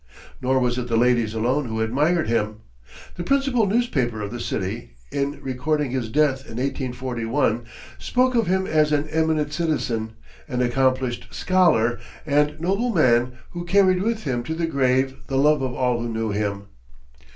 Nor was it the ladies alone who admired him. The principal newspaper of the city, in recording his death in 1841, spoke of him as "an eminent citizen, an accomplished scholar, and noble man, who carried with him to the grave the love of all who knew him."